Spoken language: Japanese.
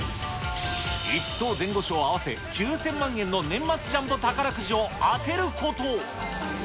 １等前後賞合わせ９０００万円の年末ジャンボ宝くじを当てること。